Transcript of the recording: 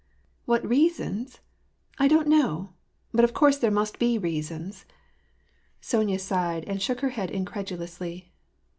" What reasons ? I don't know. But of course there must be reasons." Sonya sighed, and shook her head incredulously.